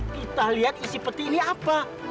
kita lihat isi peti ini apa